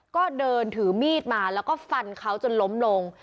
ก็เดินถือมีดมาแล้วก็ฟันเขาจนล้มลง